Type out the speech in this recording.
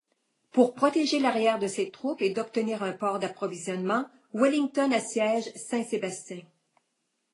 Pour protéger l'arrière de ses troupes et d'obtenir un port d'approvisionnement, Wellington assiège Saint-Sébastien.